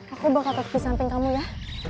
aku bakal di samping kamu ya